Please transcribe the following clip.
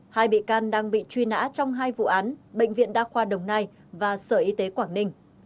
hai bị can đang bị truy nã trong hai vụ án bệnh viện đa khoa đồng nai và sở y tế quảng ninh